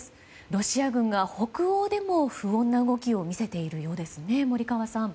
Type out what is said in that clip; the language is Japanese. ロシア軍が北欧でも不穏な動きを見せているようですね。